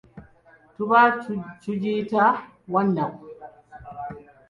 Tuba tugiyita wannaku.